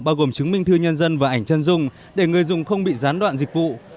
bao gồm chứng minh thư nhân dân và ảnh chân dung để người dùng không bị gián đoạn dịch vụ